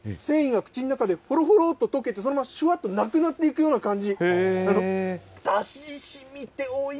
あのね、繊維が口の中で、ほろほろっと溶けて、そのまましゅわっとなくなっていくような感じ。